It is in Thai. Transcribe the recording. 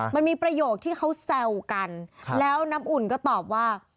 มันมีประโยคที่เขาแซวกันแล้วน้ำอุ่นก็ตอบว่า